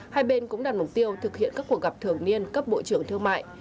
hai bên cũng đặt mục tiêu thực hiện các cuộc gặp thường niên cấp bộ trưởng thương mại